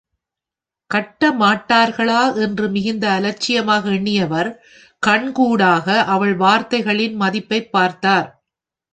கட்டமாட்டார்களா என்று மிகுந்த அலட்சியமாக எண்ணியவர், கண்கூடாக அவள் வார்த்தைகளின் மதிப்பைப் பார்த்தார்.